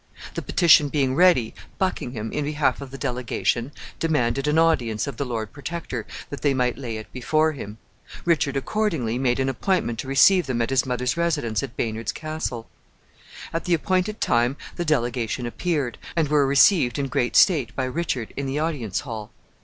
The petition being ready, Buckingham, in behalf of the delegation, demanded an audience of the Lord Protector that they might lay it before him. Richard accordingly made an appointment to receive them at his mother's residence at Baynard's Castle. At the appointed time the delegation appeared, and were received in great state by Richard in the audience hall.